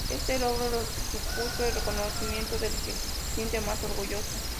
Este logro le supuso el reconocimiento del que se siente más orgulloso.